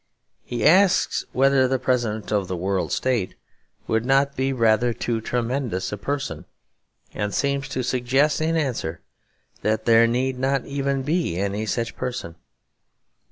He asks whether the President of the World State would not be rather too tremendous a person, and seems to suggest in answer that there need not even be any such person.